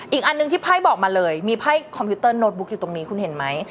อีกอันหนึ่งที่ไพ่บอกมาเลยมีไพ่คอมพิวเตอร์โน้ตบุ๊กอยู่ตรงนี้คุณเห็นไหม